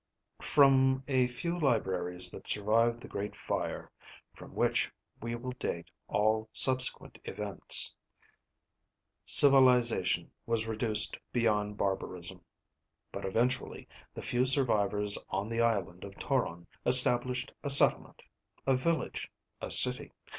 "... from a few libraries that survived the Great Fire (from which we will date all subsequent events). Civilization was reduced beyond barbarism. But eventually the few survivors on the Island of Toron established a settlement, a village, a city.